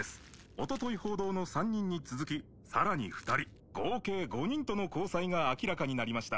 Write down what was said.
おととい報道の３人に続きさらに２人合計５人との交際が明らかになりました